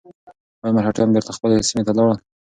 ایا مرهټیان بېرته خپلې سیمې ته لاړل؟